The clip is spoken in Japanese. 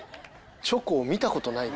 チョコを見たことない？